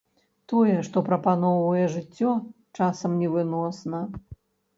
Тое, што прапаноўвае жыццё, часам невыносна.